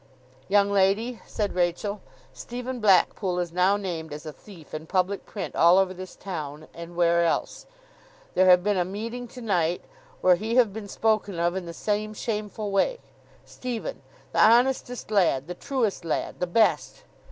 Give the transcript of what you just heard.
'Young lady,' said Rachael, 'Stephen Blackpool is now named as a thief in public print all over this town, and where else! There have been a meeting to night where he have been spoken of in the same shameful way. Stephen! The honestest lad, the truest lad, the best!